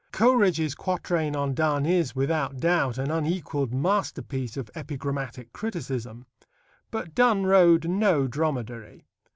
Coleridge's quatrain on Donne is, without doubt, an unequalled masterpiece of epigrammatic criticism. But Donne rode no dromedary.